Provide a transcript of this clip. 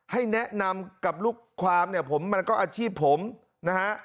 ให้แนะนำกับลูกความเนี่ยผมมันก็อาชีพผมนะฮะ